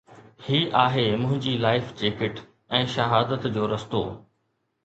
هي آهي منهنجي life jacket ۽ شهادت جو رستو